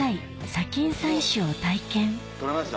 採れました？